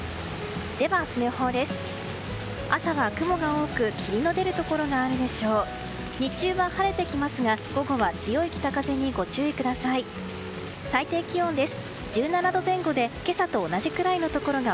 では、明日の予報です。